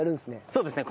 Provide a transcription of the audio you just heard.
そうですね。